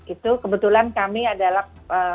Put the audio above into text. itu kebetulan kami adalah